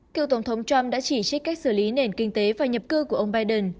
cựu tổng thống trump đã chỉ trích cách xử lý nền kinh tế và nhập cư của ông biden